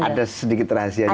ada sedikit rahasianya